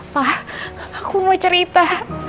papa aku mau cerita